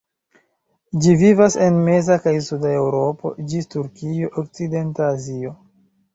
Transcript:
Ĝi vivas en meza kaj suda Eŭropo ĝis Turkio, okcidenta Azio.